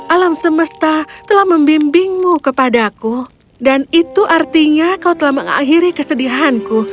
alam semesta telah membimbingmu kepadaku dan itu artinya kau telah mengakhiri kesedihanku